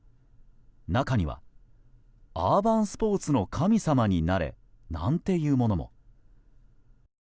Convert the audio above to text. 中には「アーバンスポーツの神様になれ」なんていうものも。